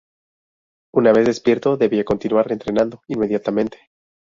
Una vez despierto, debía continuar entrenando inmediatamente.